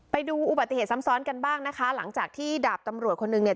ไปดูอุบัติเหตุซ้ำซ้อนกันบ้างนะคะหลังจากที่ดาบตำรวจคนหนึ่งเนี่ย